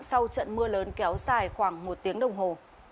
sau trận mưa lớn kéo dài khoảng một tiếng đồng hồ